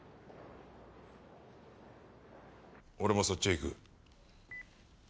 俺もそっちへ行く。